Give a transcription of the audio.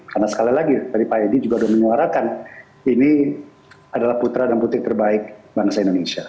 karena sekali lagi tadi pak edi juga sudah mengeluarkan ini adalah putra dan putri terbaik bangsa indonesia